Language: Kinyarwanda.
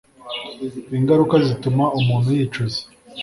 ingaruka zituma umuntu yicuza.